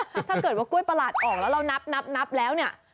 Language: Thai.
ถ้าเกิดว่ากล้วยประหลาดออกแล้วเรานับนับแล้วเนี่ย